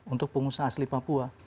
untuk pengusaha asli papua